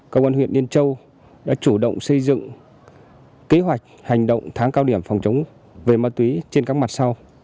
công an huyện yên châu đã chủ động xây dựng kế hoạch hành động tháng cao điểm phòng chống về ma túy trên các mặt sau